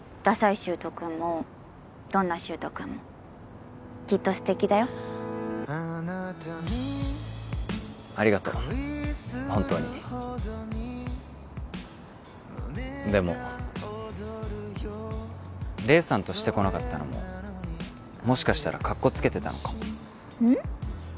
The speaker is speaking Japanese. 柊人君もどんな柊人君もきっとステキだよありがとうホントにでも黎さんとシてこなかったのももしかしたらカッコつけてたのかもうん？